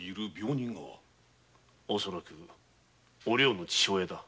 うむ恐らくお涼の父親だ。